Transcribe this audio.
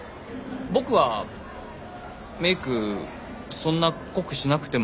僕はメイクそんな濃くしなくても。